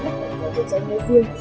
cảnh phòng cháy cháy nổ riêng